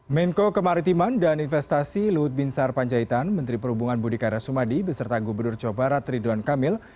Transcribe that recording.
menko kemaritiman dan investasi luhut binsar panjaitan menteri perhubungan budi karya sumadi beserta gubernur jawa barat ridwan kamil